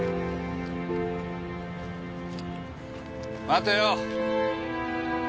待てよ！